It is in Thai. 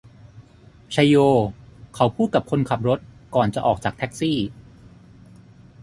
ไชโยเขาพูดกับคนขับรถก่อนจะออกจากแท็กซี่